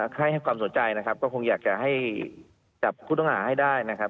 ให้ความสนใจนะครับก็คงอยากจะให้จับผู้ต้องหาให้ได้นะครับ